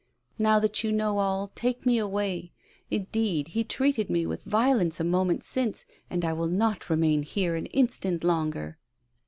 Now that you know all, take me away. Indeed, he treated me with violence a moment since, and I will not remain here an instant longer."